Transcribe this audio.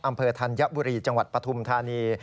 อำเภอธัญบุรีจังหวัดปธุมธานี